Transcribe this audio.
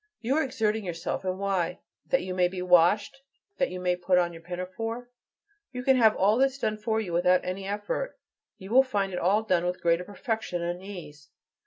You are exerting yourself and why? That you may be washed? That you may put on your pinafore? You can have all this done for you without any effort. You will find it all done with greater perfection and ease.